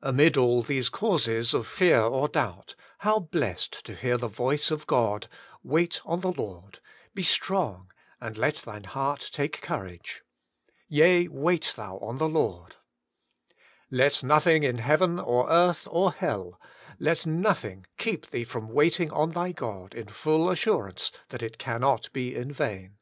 Amid all these causes of fear or doubt, how blessed to hear the voice of God, * Wait on the Lord I Be strong, and let thine heart take courage! Yea, wait thott on thi WAITING ON GOD! 47 Lord'! Let nothing in heaven or earth or hell — let nothing keep thee from waiting on thy God in full assurance that it cannot be in vain.